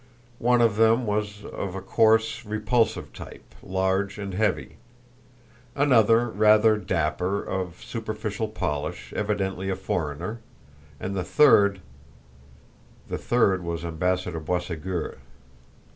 One of them was of a coarse, repulsive type, large and heavy; another rather dapper, of superficial polish, evidently a foreigner, and the third the third was Ambassador Boisségur!